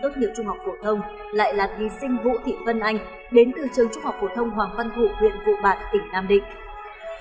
tốt nghiệp trung học phổ thông lại là thí sinh vũ thị vân anh đến từ trường trung học phổ thông hoàng văn thủ huyện vụ bạc tỉnh nam định